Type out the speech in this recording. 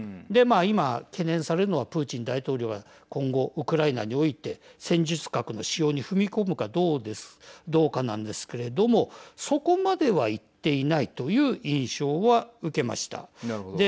今懸念されるのはプーチン大統領は今後ウクライナにおいて戦術核の使用に踏み込むかどうかなんですけれどもそこまではいっていないという印象は受けました。